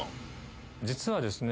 実はですね